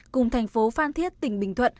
cùng thành phố phan thiết tỉnh bình phước